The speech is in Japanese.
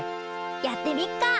やってみっか。